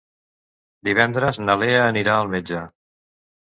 Divendres na Lea anirà al metge.